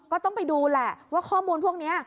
ก็ต้องไปดูแหละว่าข้อมูลพวกนี้